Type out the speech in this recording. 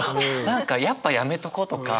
何かやっぱやめとことか。